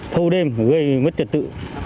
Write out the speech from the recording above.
thâu đêm gây mất trật tự